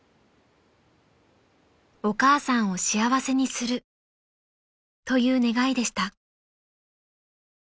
［「お母さんを幸せにする」という願いでした］